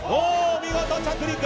見事、着地。